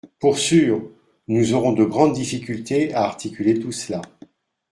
Pour sûr ! Nous aurons de grandes difficultés à articuler tout cela.